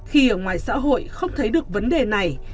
khi ở ngoài xã hội không thấy được vấn đề này